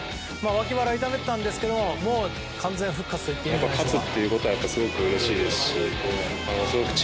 脇腹を痛めていたんですがもう完全復活といっていいんじゃないでしょうか。